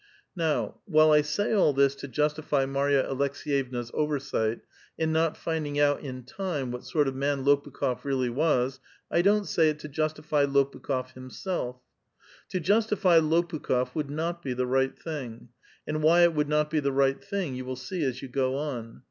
Now, while J say all this to justify Marya Aleks^yevna*s oversight in not finding out in time what sort of man Lo pnkb6f really was, I don't say it to justify T^opukh6f him self. To justify Ix)pukli6f wouiti not be the right thing ; and why it would not be the right thing you will see as you go on.